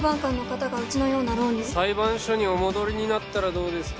裁判所にお戻りになったらどうですか？